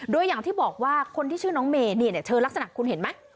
โดยอย่างที่บอกว่าคนที่ชื่อน้องเมย์เนี่ยเธอลักษณะคุณเห็นไหม